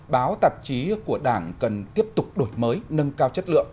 báo tạp chí của đảng cần tiếp tục đổi mới nâng cao chất lượng